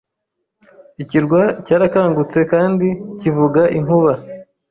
ikirwa cyarakangutse kandi kivuga inkuba.